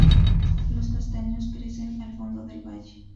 Los castaños crecen al fondo del valle.